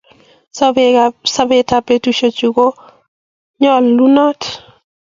sobeetab betusiek kongulote